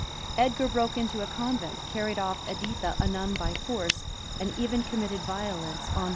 Edgar broke into a convent, carried off Editha, a nun, by force, and even committed violence on her person.